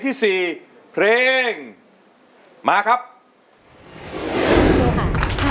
ทั้งในเรื่องของการทำงานเคยทำนานแล้วเกิดปัญหาน้อย